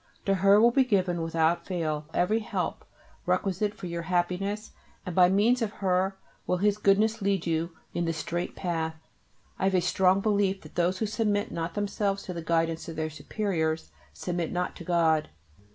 To her will be given without fail every help requisite for your happiness, and by means of her will His Goodness lead you in the straight path. I have a strong belief that those who submit not themselves to the guidance of their Superiors submit not to God.